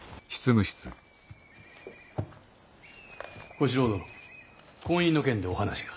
小四郎殿婚姻の件でお話が。